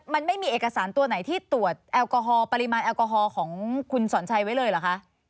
มันไม่มีเอกสารตัวไหนที่ตรวจแอลกอฮอลปริมาณแอลกอฮอล์ของคุณสอนชัยไว้เลยเหรอคะ